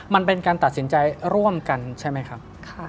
มันเป็นการตัดสินใจร่วมกันใช่ไหมครับ